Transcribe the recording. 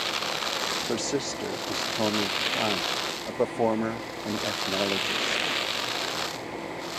Her sister is Tomie Hahn, a performer and ethnologist.